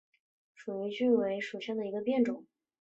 蜀榆为榆科榆属下的一个变种。